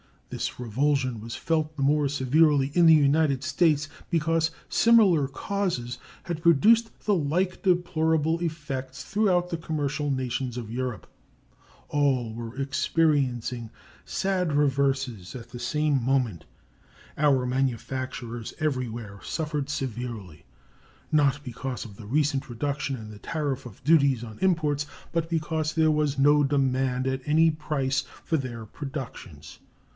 This revulsion was felt the more severely in the United States because similar causes had produced the like deplorable effects throughout the commercial nations of Europe. All were experiencing sad reverses at the same moment. Our manufacturers everywhere suffered severely, not because of the recent reduction in the tariff of duties on imports, but because there was no demand at any price for their productions.